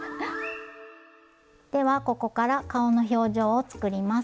ではここから顔の表情を作ります。